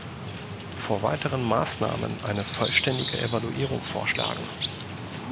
Vor weiteren Maßnahmen eine vollständige Evaluierung vorschlagen.